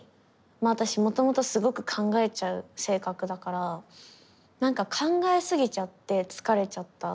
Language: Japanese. もともとすごく考えちゃう性格だからなんか考え過ぎちゃって疲れちゃった。